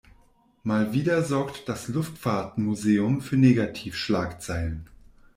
Mal wieder sorgt das Luftfahrtmuseum für Negativschlagzeilen.